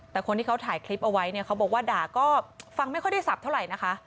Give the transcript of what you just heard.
แต่คนที่เขาถ่ายคลิปเอาไว้เนี่ยเขาบอกว่าด่าก็ฟังไม่ค่อยได้สับเท่าไหร่นะคะ